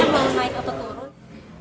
mau naik atau turun